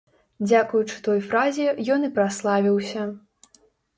Дзякуючы той фразе ён і праславіўся.